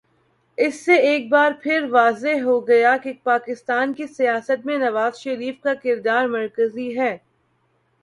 اس سے ایک بارپھر واضح ہو گیا کہ پاکستان کی سیاست میں نوازشریف کا کردار مرکزی ہے۔